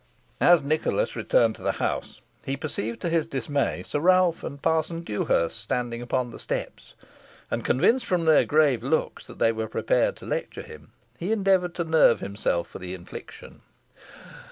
As Nicholas returned to the house, he perceived to his dismay Sir Ralph and Parson Dewhurst standing upon the steps; and convinced, from their grave looks, that they were prepared to lecture him, he endeavoured to nerve himself for the infliction.